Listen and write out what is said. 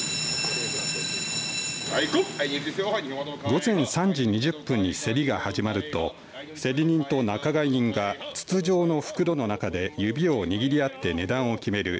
午前３時２０分に競りが始まると競り人と仲買人が筒状の袋の中で指を握り合って値段を決める